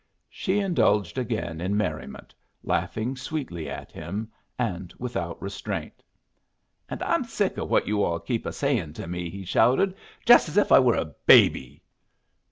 She indulged again in merriment, laughing sweetly at him, and without restraint. "And I'm sick of what you all keep a saying to me!" he shouted. "Just as if I was a baby."